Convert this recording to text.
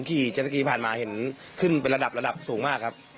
ขี่เจสสกีผ่านมาเห็นขึ้นเป็นระดับระดับสูงมากครับ